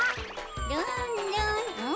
ルンルンうん？